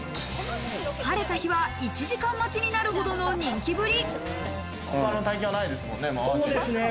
晴れた日は１時間待ちになるほどの人気ぶり。